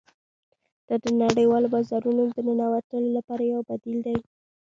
دا د نړیوالو بازارونو د ننوتلو لپاره یو بدیل دی